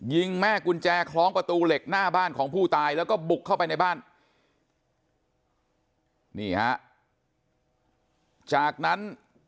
ยิงแม่กุญแจคล้องประตูเหล็กหน้าบ้านของผู้ตายแล้วก็บุกเข้าไปในบ้านนี่ฮะจากนั้น